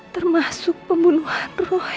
termasuk pembunuhan roy